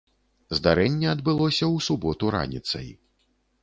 Здарэнне адбылося ў суботу раніцай.